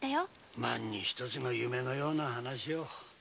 万に一つの夢のような話を。